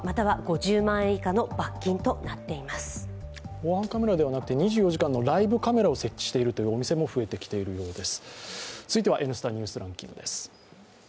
防犯カメラではなくて、２４時間のライブカメラを設置しているお店も増えているようです。